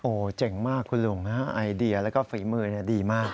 โอ้โหเจ๋งมากคุณลุงฮะไอเดียแล้วก็ฝีมือดีมาก